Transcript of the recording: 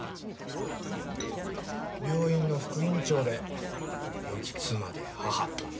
病院の副院長でよき妻で母。